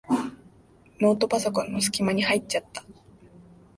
ノートパソコンのすき間に入っちゃった。